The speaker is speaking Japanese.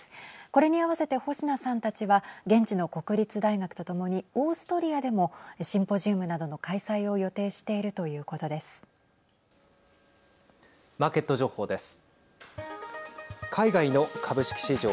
これに合わせて保科さんたちは現地の国立大学と共にオーストリアでもシンポジウムなどの開催をマーケット情報です。